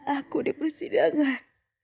aku di persidangan